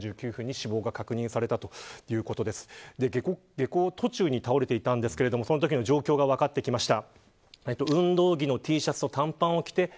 下校途中に倒れていたんですけれどもそのときの状況が分かってきました。